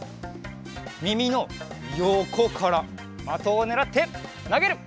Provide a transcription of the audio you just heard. みみのよこからまとをねらってなげる！